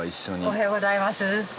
おはようございます。